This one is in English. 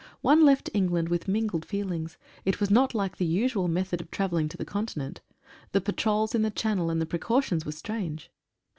One left England with mingled feelings — it was not like the usual method of travelling to the Continent. The patrols in the Channel and the precautions were strange.